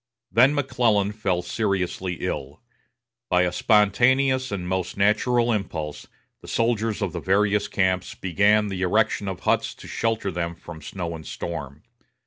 Then McClellan fell seriously ill. By a spontaneous and most natural impulse, the soldiers of the various camps began the erection of huts to shelter them from snow and storm.